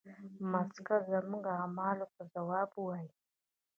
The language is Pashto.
مځکه زموږ اعمالو ته ځواب وایي.